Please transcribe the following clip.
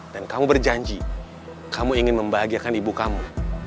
dan kamu berjanji kamu ingin membahagiakan ibu kamu